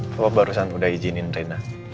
kok barusan udah izinin rina